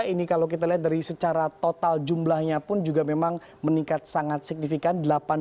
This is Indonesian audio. ini kalau kita lihat dari secara total jumlahnya pun juga memang meningkat sangat signifikan